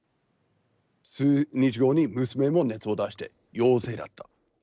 数日後に娘も熱を出して、陽性だった。